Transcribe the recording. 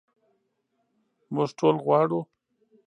موږ ټول غواړو.